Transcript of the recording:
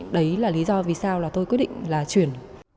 đấy là lý do vì sao tôi quyết định chuyển